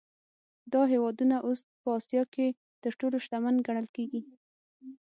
دا هېوادونه اوس په اسیا کې تر ټولو شتمن ګڼل کېږي.